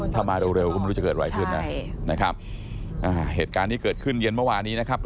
ถ้ามาเร็วเร็วก็ไม่รู้จะเกิดอะไรขึ้นนะนะครับอ่าเหตุการณ์ที่เกิดขึ้นเย็นเมื่อวานนี้นะครับ